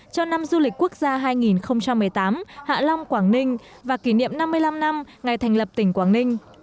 cho năm du lịch quốc gia hai nghìn một mươi tám hạ long quảng ninh và kỷ niệm năm mươi năm năm ngày thành lập tỉnh quảng ninh